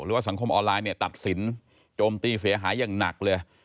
สังคมออนไลน์เนี่ยตัดสินโจมตีเสียหายอย่างหนักเลย